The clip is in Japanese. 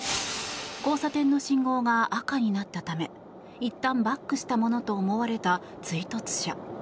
交差点の信号が赤になったためいったんバックしたものと思われた追突車。